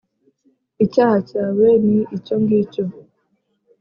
icyaha cyawe ni icyo ngicyo